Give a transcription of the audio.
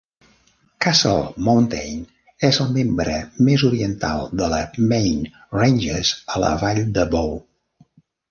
Castle Mountain és el membre més oriental de la Main Ranges a la vall de Bow.